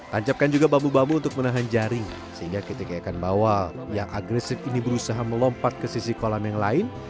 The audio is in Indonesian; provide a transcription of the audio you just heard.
tancapkan juga bambu bambu untuk menahan jaring sehingga ketika ikan bawal yang agresif ini berusaha melompat ke sisi kolam yang lain